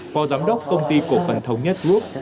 phó giám đốc công ty cổ phần thống nhất group